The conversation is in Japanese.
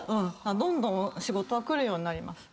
どんどん仕事は来るようになる。